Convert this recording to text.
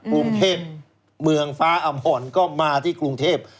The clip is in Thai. กรุงเทพเมืองฟ้าอำพรก็มาที่กรุงเทพ